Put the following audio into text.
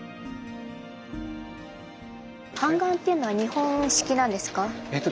半眼っていうのは日本式なんですか？